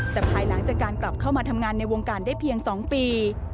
แต่ภายหลังจากการกลับเข้ามาทำงานในวงการได้เพียง๒ปี